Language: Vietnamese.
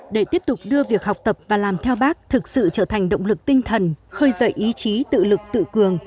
để tiếp tục đưa việc học tập và làm theo bác thực sự trở thành động lực tinh thần khơi dậy ý chí tự lực tự cường